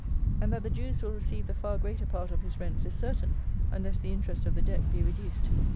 And that the Jews will receive the far greater part of his rents is certain, unless the interest of the Debt be reduced.